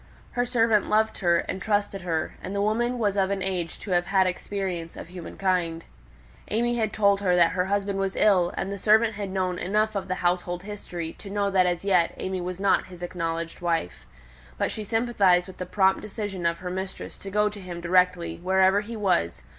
Her servant loved her and trusted her; and the woman was of an age to have had experience of humankind. AimÄe had told her that her husband was ill, and the servant had known enough of the household history to be aware that as yet AimÄe was not his acknowledged wife. But she sympathized with the prompt decision of her mistress to go to him directly, wherever he was.